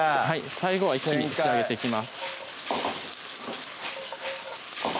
最後は一気に仕上げていきます